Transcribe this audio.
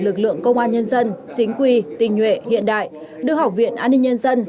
lực lượng công an nhân dân chính quy tình nhuệ hiện đại đưa học viện an ninh nhân dân